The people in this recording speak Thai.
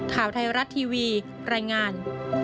ข่าวไทยรัฐทีวีรายงาน